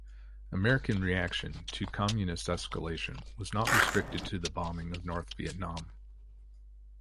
American reaction to Communist escalation was not restricted to the bombing of North Vietnam.